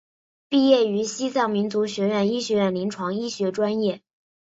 毕业于西藏民族学院医学院临床医学专业。